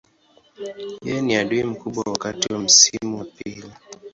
Yeye ni adui mkubwa wakati wa msimu wa pili.